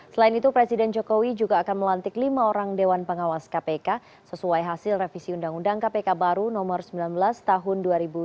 selain itu presiden jokowi juga akan melantik lima orang dewan pengawas kpk sesuai hasil revisi undang undang kpk baru nomor sembilan belas tahun dua ribu sembilan belas